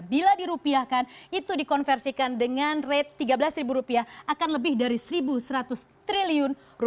bila dirupiahkan itu dikonversikan dengan rate rp tiga belas akan lebih dari rp satu seratus triliun